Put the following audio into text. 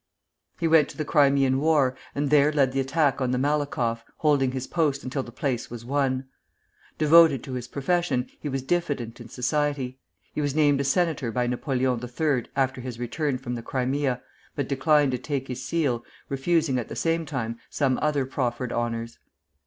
He went to the Crimean War, and there led the attack on the Malakoff, holding his post until the place was won. Devoted to his profession, he was diffident in society. He was named a senator by Napoleon III. after his return from the Crimea, but declined to take his seat, refusing at the same time some other proffered honors.